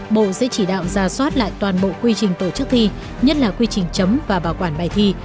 bộ sẽ chỉ đạo ra soát lại toàn bộ quy trình tổ chức thi nhất là quy trình chấm và bảo quản bài thi